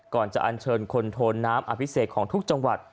ก่อนจะอันเชิญคนโทนน้ำอภิเษกของทุกจังหวัด